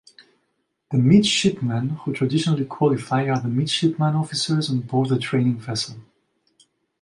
The midshipmen who traditionally qualify are the midshipman officers on board the training vessel.